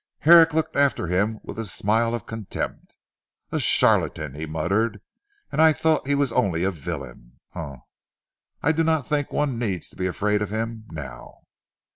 Herrick looked after him with a smile of contempt. "A charlatan!" he muttered, "and I thought he was only a villain. Humph! I do not think one need be afraid of him now."